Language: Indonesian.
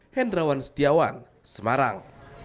hendrawan setiawan semarang